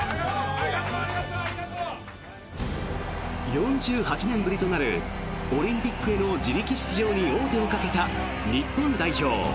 ４８年ぶりとなるオリンピックへの自力出場に王手をかけた日本代表。